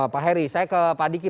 pak heri saya ke pak diki